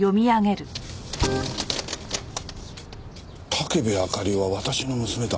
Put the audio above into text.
「武部あかりは私の娘だ」